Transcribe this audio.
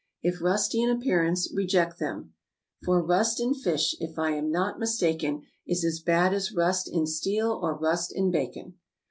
If rusty in appearance reject them, "for rust in fish, if I am not mistaken, is as bad as rust in steel or rust in bacon."